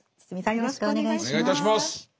よろしくお願いします。